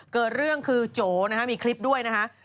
เกิดเรื่องคือโจนะฮะมีคลิปด้วยนะฮะ